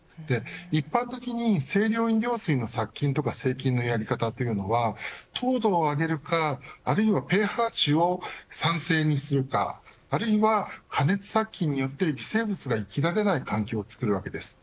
一般的に清涼飲料水の殺菌や生菌の方法は糖度を上げるかあるいはｐＨ値を酸性にするかあるいは加熱殺菌によって微生物が生きられない環境をつくるわけです。